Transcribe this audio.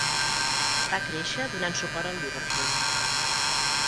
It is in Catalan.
Va créixer donant suport al Liverpool.